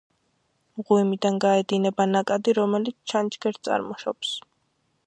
მღვიმიდან გაედინება ნაკადი, რომელიც ჩანჩქერს წარმოშობს.